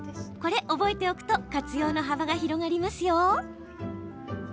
覚えておくと活用の幅が広がりますよ。